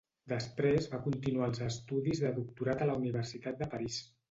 Després va continuar els estudis de doctorat a la Universitat de París.